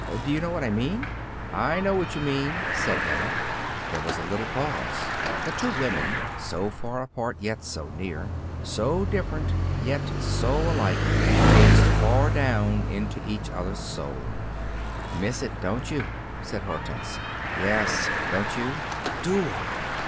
Do you know what I mean?" "I know what you mean," said Emma. There was a little pause. The two women so far apart, yet so near; so different, yet so like, gazed far down into each other's soul. "Miss it, don't you?" said Hortense. "Yes; don't you?" "Do I!